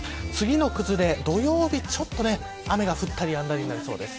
次の崩れ、土曜日ちょっと雨が降ったりやんだりになりそうです。